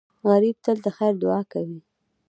غریب تل د خیر دعا کوي